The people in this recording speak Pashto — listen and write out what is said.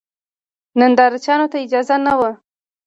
نندارچیانو ته اجازه نه وه.